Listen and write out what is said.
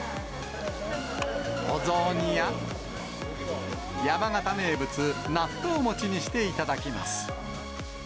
お雑煮や、山形名物、納豆餅にしていただきます。